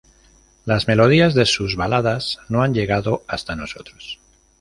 Las melodías de sus baladas no han llegado hasta nosotros.